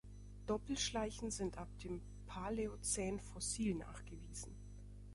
Doppelschleichen sind ab dem Paläozän fossil nachgewiesen.